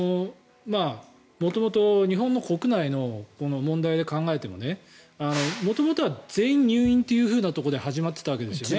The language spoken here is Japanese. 元々日本国内の問題で考えても元々は全員入院というところで始まっていたわけですよね。